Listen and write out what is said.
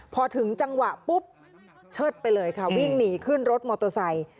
พอถึงจังหวะปุ๊บเชิดไปเลยค่ะวิ่งหนีขึ้นรถมอเตอร์ไซค์